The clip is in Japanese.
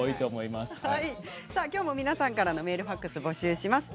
皆さんからのメールファックスを募集します。